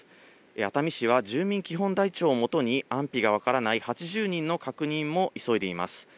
熱海市は住民基本台帳を基に、安否が分からない８０人の確認も急いでいます。